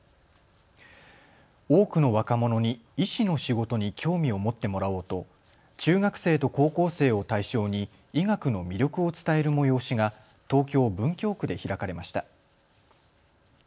多くの若者に医師の仕事に興味を持ってもらおうと中学生と高校生を対象に医学の魅力を伝える催しが東京文京区で開かれました。